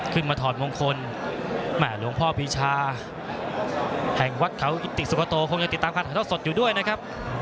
ขึ้นมาถอดมงคลแหม่หลวงพ่อพิชาแห่งวัดเขาอิติสุโกโตคงยังติดตามค่าถ้าเท้าสดอยู่ด้วยนะครับ